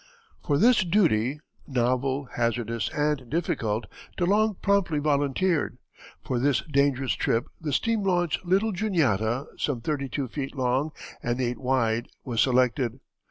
For this duty novel, hazardous, and difficult De Long promptly volunteered. For this dangerous trip the steam launch Little Juniata, some 32 feet long and 8 wide, was selected.